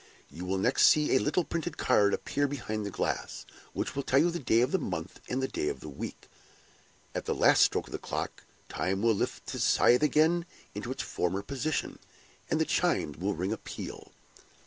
You will next see a little printed card appear behind the glass, which will tell you the day of the month and the day of the week. At the last stroke of the clock, Time will lift his scythe again into its former position, and the chimes will ring a peal.